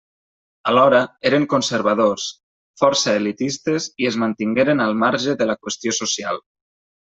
Alhora, eren conservadors, força elitistes i es mantingueren al marge de la qüestió social.